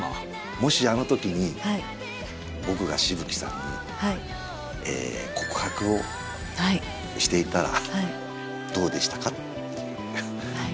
もしあのときに、僕が紫吹さんに告白をしていたらどうでしたか？